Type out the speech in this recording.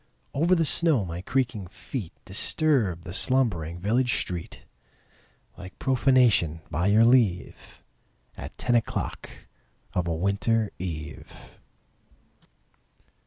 Over the snow my creaking feet Disturbed the slumbering village street Like profanation, by your leave, At ten o'clock of a winter eve.